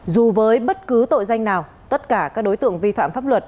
dù với bất cứ tội danh nào tất cả các đối tượng vi phạm pháp luật